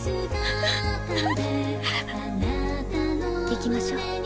行きましょう。